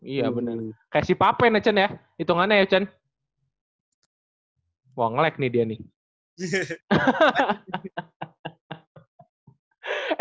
iya bener kayak si papen ya cen ya hitungannya ya cen wah ngelag nih dia nih